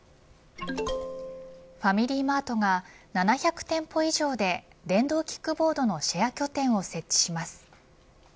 ファミリーマートが７００店舗以上で電動キックボードのシェア拠点を設置します。